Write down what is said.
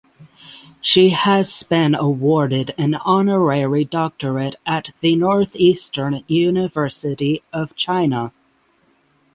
She has been awarded an honorary doctorate at The Northeastern University of China.